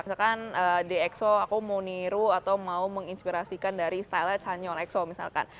misalkan di exo aku mau niru atau mau menginspirasikan dari style chanyon exo misalkan